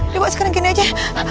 dua sekarang gini aja